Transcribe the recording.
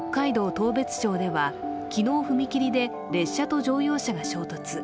当別町では昨日踏切で列車と乗用車が衝突。